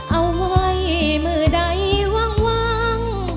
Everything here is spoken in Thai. เอาไว้มือใดวาง